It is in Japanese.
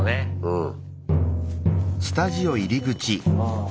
うん。